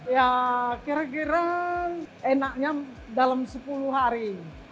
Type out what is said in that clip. ya kira kira enaknya dalam sepuluh hari